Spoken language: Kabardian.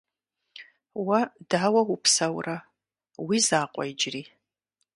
Уэ дауэ упсэурэ? Уи закъуэ иджыри?